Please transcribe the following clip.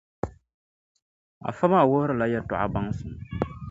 Afa maa wuhirila yɛtɔɣa baŋsim.